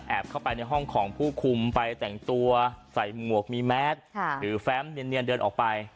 เข้าไปในห้องของผู้คุมไปแต่งตัวใส่หมวกมีแมสหรือแฟมเนียนเดินออกไป